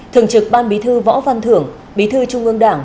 thường trực ban bí thư võ văn thưởng bí thư trung ương đảng